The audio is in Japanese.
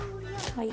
はい。